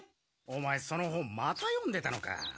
オマエその本また読んでたのか。